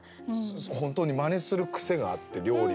本当に真似する癖があって料理も。